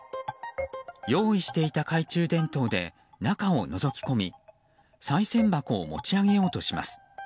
用意していた懐中電灯で中をのぞき込みさい銭箱を持ち上げようとします。